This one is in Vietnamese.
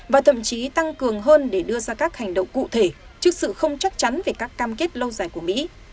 và thậm chí tăng cường hơn để đưa ra các hành động cụ thể trước sự không chắc chắn về các cam kết lâu dài của mỹ